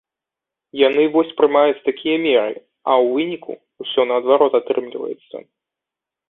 Яны вось прымаюць такія меры, а ў выніку ўсё наадварот атрымліваецца.